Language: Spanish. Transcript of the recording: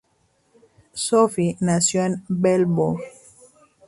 Sophie nació en Melbourne.